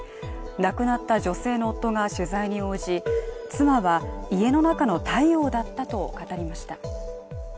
亡くなった女性の夫が取材に応じ、妻は、家の中の太陽だったと語りました。